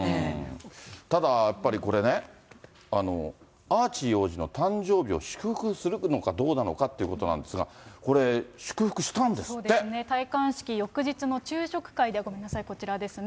ただやっぱり、これね、アーチー王子の誕生日を祝福するのかどうなのかということなんでそうですね、戴冠式翌日の昼食会で、ごめんなさい、こちらですね。